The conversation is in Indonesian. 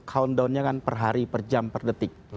countdownnya kan per hari per jam per detik